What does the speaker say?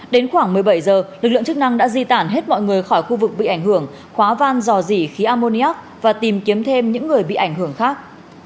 đến khoảng một mươi bảy giờ lực lượng chức năng đã di tản hết mọi người khỏi khu vực bị ảnh hưởng khóa van dò dỉ khí ammoniac và tìm kiếm thêm những người bị ảnh hưởng khác